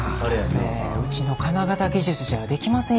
うちの金型技術じゃできませんよ。